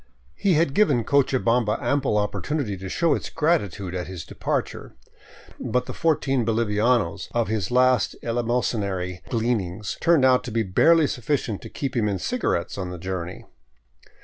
He had given Cochabamba ample opportunity to show its gratitude at his departure, but the fourteen bolivianos of his last eleemosynary glean ings turned out to be barely sufficient to keep him in cigarettes on the journey.